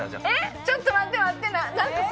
ちょっと待って待ってなんかさ。